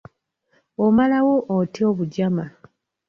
Omalawo otya obujama?